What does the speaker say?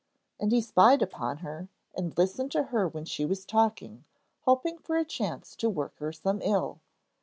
And he spied upon her, and listened to her when she was talking, hoping for a chance to work her some ill.